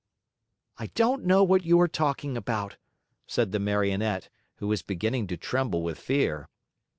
"I don't know what you are talking about," said the Marionette, who was beginning to tremble with fear.